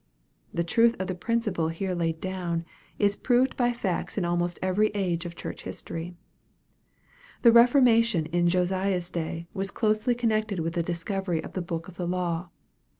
The truth of the principle here laid down, is proved by facts in almost every age of church history. The re formation in Josiah's day was closely connected with the discovery of the book of the law.